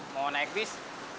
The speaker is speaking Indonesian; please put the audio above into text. mau naik bis